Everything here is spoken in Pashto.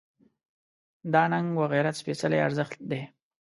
دا ننګ و غیرت سپېڅلی ارزښت دی.